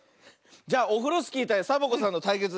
じゃあオフロスキーたいサボ子さんのたいけつ。